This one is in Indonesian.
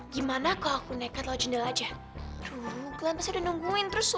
gimana kau aku nekat lojendel aja dulu kelepasan nungguin terus